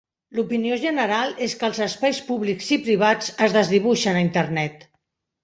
La opinió general és que els espais públics i privats es desdibuixen a Internet.